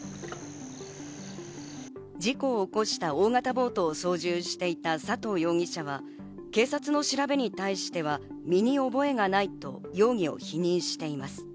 事故を起こした大型ボートを操縦していた佐藤容疑者は警察の調べに対しては、身に覚えがないと容疑を否認しています。